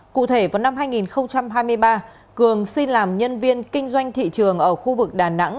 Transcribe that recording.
cụ thể vào năm hai nghìn hai mươi ba cường xin làm nhân viên kinh doanh thị trường ở khu vực đà nẵng